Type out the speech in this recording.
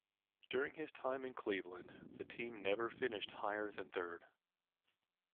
During his time in Cleveland, the team never finished higher than third.